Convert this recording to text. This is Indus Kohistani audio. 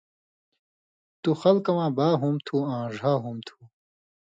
تُو خلکہ واں با ہُم تُھو آں ڙھا ہُم تُھو